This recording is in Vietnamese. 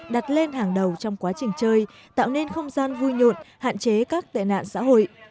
đặt lên hàng đầu trong quá trình chơi tạo nên không gian vui nhộn hạn chế các tệ nạn xã hội